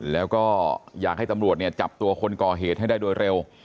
แล้วก็อยากให้ตำรวจเนี่ยจับตัวคนก่อเหตุให้ได้โดยเร็ว